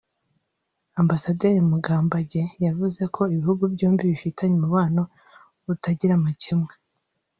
Ambasaderi Mugambage yavuze ko ibihugu byombi bifitanye umubano utagira amakemwa